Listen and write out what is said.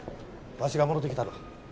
わしがもろてきたる。